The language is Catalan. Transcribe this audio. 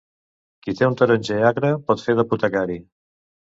Qui té un taronger agre pot fer d'apotecari.